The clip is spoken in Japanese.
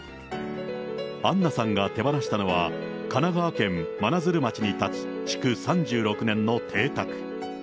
アンナさんが手放したのは、神奈川県真鶴町に建つ、築３６年の邸宅。